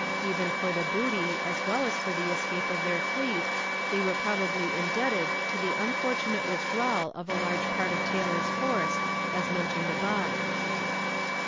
Even for the booty as well as for the escape of their fleet, they were probably indebted to the unfortunate withdrawal of a large part of Taylor's force, as mentioned above.